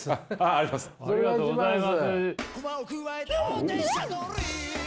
ありがとうございます。